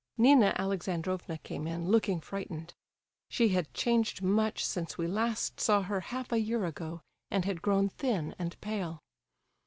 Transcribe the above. Nina Alexandrovna came in, looking frightened. She had changed much since we last saw her, half a year ago, and had grown thin and pale.